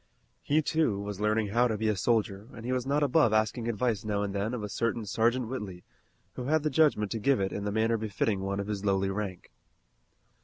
He, too, was learning how to be a soldier and he was not above asking advice now and then of a certain Sergeant Whitley who had the judgment to give it in the manner befitting one of his lowly rank.